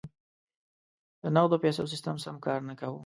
د نغدو پیسو سیستم سم کار نه کاوه.